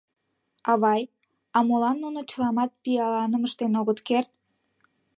— Авай, а молан нуно чыламат пиаланым ыштен огыт керт?